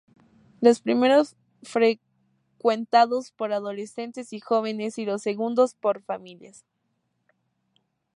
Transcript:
Los primeros frecuentados por adolescentes y jóvenes y los segundos por familias.